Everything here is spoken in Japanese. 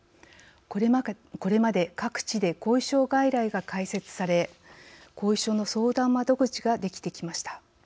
これまで各地で後遺症外来が開設され後遺症の相談窓口ができてきました。